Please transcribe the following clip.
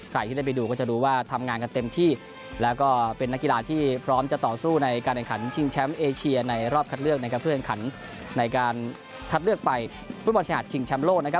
คัดเลือกไปฟุตบอลชายหาดชิงแชมป์โลก